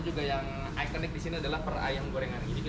juga yang ikonik di sini adalah perayam gorengan